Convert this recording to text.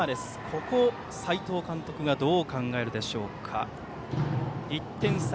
ここ、斎藤監督はどう考えるでしょうか。